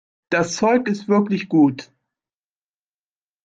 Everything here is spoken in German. Das Zeug ist wirklich gut.